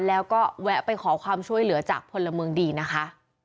แล้วก็แวะไปขอความช่วยเหลือจากพลเมืองดีนะคะ